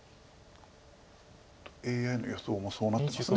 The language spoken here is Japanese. ＡＩの予想もそうなってます。